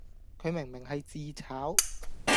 佢明明係自炒